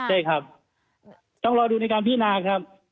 ใช่ครับต้องรอดูในการพินาครับ